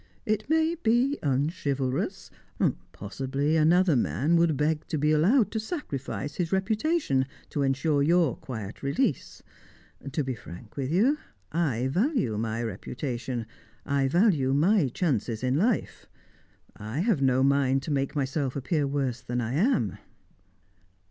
It may be unchivalrous. Possibly another man would beg to be allowed to sacrifice his reputation, to ensure your quiet release. To be frank with you, I value my reputation, I value my chances in life. I have no mind to make myself appear worse than I am."